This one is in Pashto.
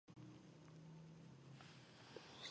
رحمت الله یو کمیس او چاړه را وښکاره کړه.